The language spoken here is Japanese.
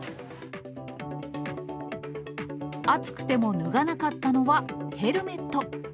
暑くても脱がなかったのは、ヘルメット。